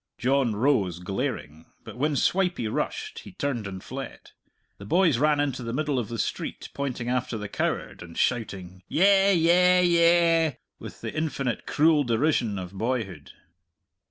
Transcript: John rose, glaring. But when Swipey rushed he turned and fled. The boys ran into the middle of the street, pointing after the coward and shouting, "Yeh! yeh! yeh!" with the infinite cruel derision of boyhood.